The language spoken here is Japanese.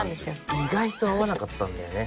意外と会わなかったんだよね。